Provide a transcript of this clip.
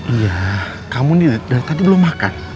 iya kamu nih dari tadi belum makan